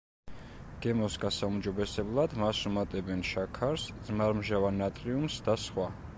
გემოს გასაუმჯობესებლად მას უმატებენ შაქარს, ძმარმჟავა ნატრიუმს და სხვა.